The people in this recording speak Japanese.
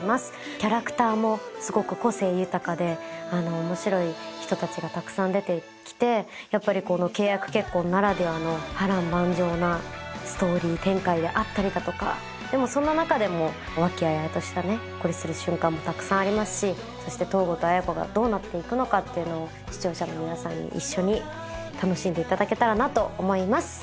キャラクターもすごく個性豊かで面白い人たちがたくさん出てきてやっぱりこの契約結婚ならではの波乱万丈なストーリー展開があったりだとかでもそんな中でも和気あいあいとしたねほっこりする瞬間もたくさんありますしそして東郷と綾華がどうなっていくのかっていうのを視聴者の皆さんに一緒に楽しんでいただけたらなと思います